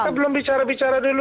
kita belum bicara bicara dulu